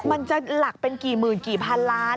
มันจะหลักเป็นกี่หมื่นกี่พันล้าน